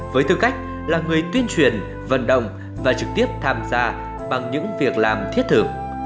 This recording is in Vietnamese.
với tư cách là người tuyên truyền vận động và trực tiếp tham gia bằng những việc làm thiết thử